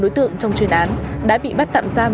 đối tượng trong chuyên án đã bị bắt tạm giam